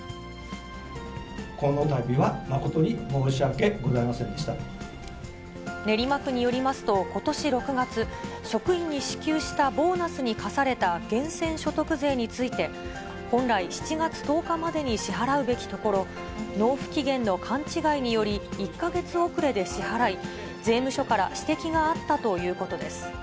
このたびは誠に申し訳ござい練馬区によりますと、ことし６月、職員に支給したボーナスに課された源泉所得税について、本来、７月１０日までに支払うべきところ、納付期限の勘違いにより、１か月遅れで支払い、税務署から指摘があったということです。